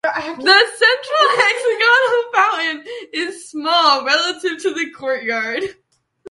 The central hexagonal fountain is small relative to the courtyard.